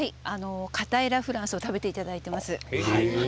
かたいラ・フランスを食べていただいています。